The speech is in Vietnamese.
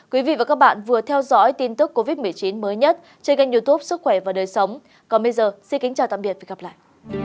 cảm ơn các bạn đã theo dõi và hẹn gặp lại